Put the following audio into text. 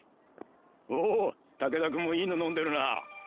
お武田君もいいの飲んでるな。